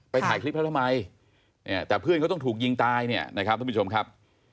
ไปถ่ายคลิปแล้วทำไมแต่เพื่อนเขาต้องถูกยิงตายนะครับท่านผู้ชมครับ